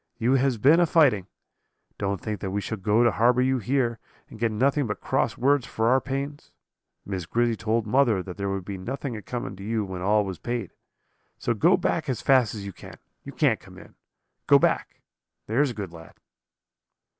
You has been a fighting. Don't think that we shall go to harbour you here, and get nothing but cross words for our pains. Miss Grizzy told mother that there would be nothing a coming to you when all was paid. So go back as fast as you can; you can't come in. Go back, there's a good lad.'